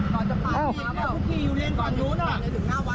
ก่อนจะพาพี่พวกมันอยู่เรียนก่อนนู้นอ่ะ